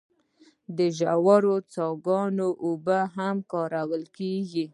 د ژورو څاګانو اوبه هم کارول کیږي.